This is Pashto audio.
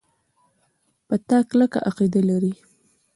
په تا کلکه عقیده لري.